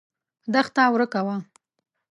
دښته ورکه وه.